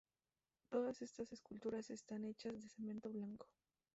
Todas estas esculturas están hechas de cemento blanco.